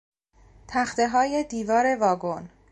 تختههای دیوار واگن